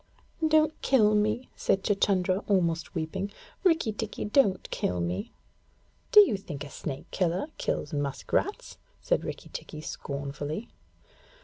'Don't kill me,' said Chuchundra, almost weeping. 'Rikki tikki, don't kill me.' 'Do you think a snake killer kills musk rats?' said Rikki tikki scornfully.